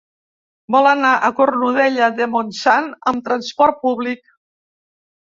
Vull anar a Cornudella de Montsant amb trasport públic.